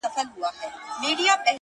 زه به په فکر وم؛ چي څنگه مو سميږي ژوند؛